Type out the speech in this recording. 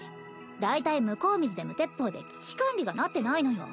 だいたい向こう見ずで無鉄砲で危機管理がなってないのよ。